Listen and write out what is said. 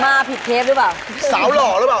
มาผิดเทปหรือเปล่า